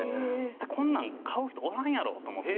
「こんなの買う人おらんやろ」と思って。